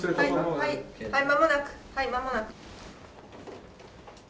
はい間もなくはい間もなく。